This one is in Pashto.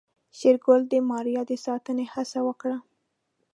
شېرګل د ماريا د ساتنې هڅه وکړه.